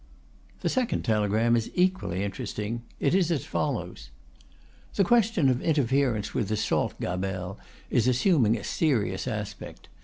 The second telegram is equally interesting. It is as follows: The question of interference with the Salt Gabelle is assuming a serious aspect.